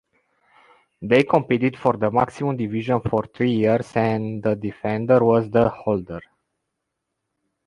They competed for the maximum division for three years and the defender was the holder.